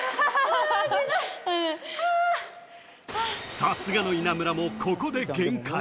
さすがの稲村も、ここで限界。